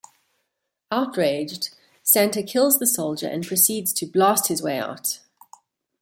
Outraged, Santa kills the soldier, and proceeds to blast his way out.